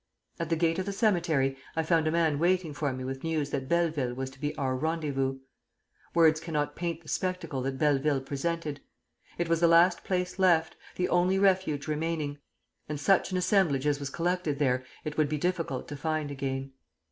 At the gate of the cemetery I found a man waiting for me with news that Belleville was to be our rendezvous. Words cannot paint the spectacle that Belleville presented. It was the last place left, the only refuge remaining; and such an assemblage as was collected there it would be difficult to find again.